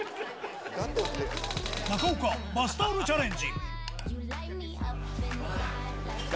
中岡、バスタオルチャレンジ。